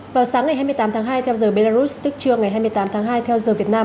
vào sáng ngày hai mươi tám tháng hai theo giờ belarus tức trưa ngày hai mươi tám tháng hai theo giờ việt nam